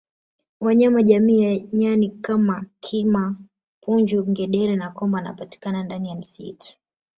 Wanyama jamii ya nyani kama kima punju ngedere na komba wanapatikana ndani ya msitu